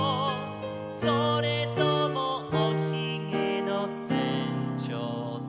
「それともおひげのせんちょうさん」